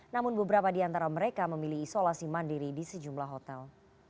namun beberapa di antara mereka memilih isolasi mandiri di sejumlah hotel